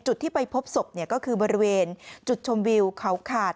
จุดที่ไปพบศพก็คือบริเวณจุดชมวิวเขาขาด